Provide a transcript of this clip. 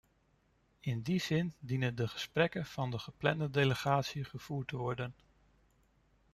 In die zin dienen de gesprekken van de geplande delegatie gevoerd te worden.